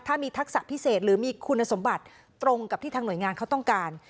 ถ้ามีทักษะพิเศษหรือมีคุณสมบัติตรงกับที่ทางหน่วยงานเขาต้องการ